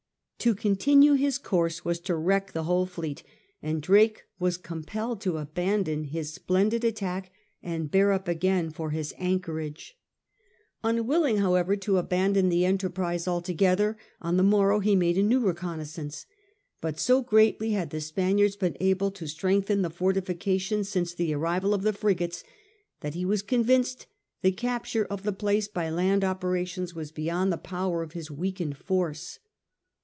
To continue his course was to wreck the whole fleet, and Drake was compelled to abandon his splendid attack and bear up again for his anchorage. Unwilling, however, 204 SIR FRANCIS DRAKE chap. to abandon the enterprise altogether, on the morrow he made a new reconnaissance ; but so greatly had the Spaniards been able to strengthen the fortifications since the arrival of the frigates, that he was convinced the capture of the place by land operations was beyond the power of his weakened force.